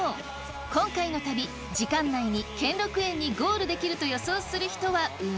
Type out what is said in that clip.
今回の旅時間内に兼六園にゴールできると予想する人は上。